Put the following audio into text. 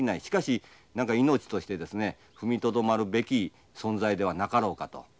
しかし何か命としてですね踏みとどまるべき存在ではなかろうかと。